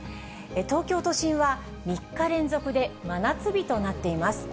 東京都心は３日連続で真夏日となっています。